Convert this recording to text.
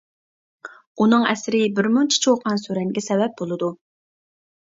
ئۇنىڭ ئەسىرى بىرمۇنچە چۇقان-سۈرەنگە سەۋەب بولىدۇ.